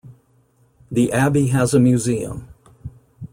The Abbey has a museum.